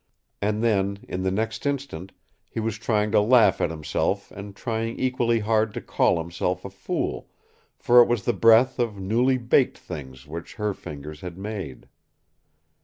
And then, in the next instant, he was trying to laugh at himself and trying equally hard to call himself a fool, for it was the breath of newly baked things which her fingers had made.